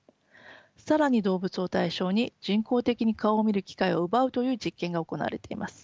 更に動物を対象に人工的に顔を見る機会を奪うという実験が行われています。